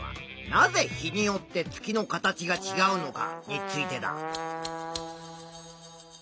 なぜ日によって月の形がちがうのか？